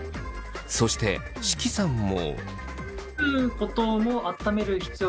そして識さんも。